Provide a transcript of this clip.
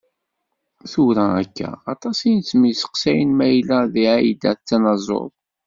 Tura akka, aṭas i yettmesteqsayen mayella Ai-Da d tanaẓurt.